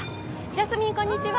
ジャスミン、こんにちは。